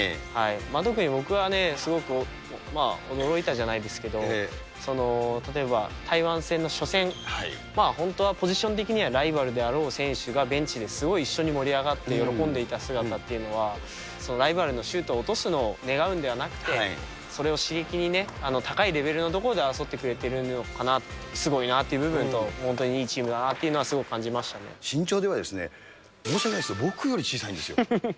特に僕はね、すごく驚いたじゃないですけど、例えば台湾戦の初戦、本当はポジション的にはライバルであろう選手が、ベンチですごい一緒に盛り上がって喜んでいた姿っていうのは、ライバルのシュートを落とすのを願うんではなくて、それを刺激に高いレベルのところで争ってくれてるのかなと、すごいなっていう部分と、本当にいいチームだなというのはすごく身長では、申し訳ないですけど、僕より小さいんですよ。